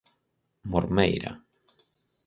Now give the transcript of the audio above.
Mormeira.